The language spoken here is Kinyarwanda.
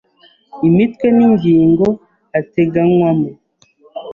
imitwe n ingingo ateganywamo